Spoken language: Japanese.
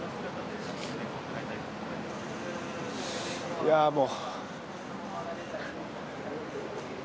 いやあ、もう。